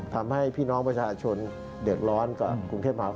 ทำให้พี่น้องประชาชนเดือดร้อนกับกรุงเทพมหานคร